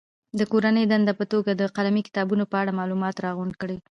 د کورنۍ دندې په توګه د قلمي کتابونو په اړه معلومات راغونډ کړي.